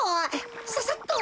ささっと。